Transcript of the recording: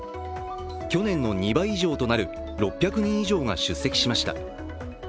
去年の２倍以上となる６００人以上が出席しました。